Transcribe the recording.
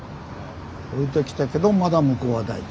下りてきたけどまだ向こうは台地。